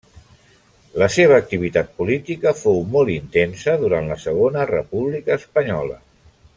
La seva activitat política fou molt intensa durant la Segona República Espanyola.